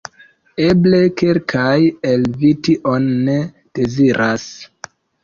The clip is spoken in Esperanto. Eble, kelkaj el vi tion ne deziras?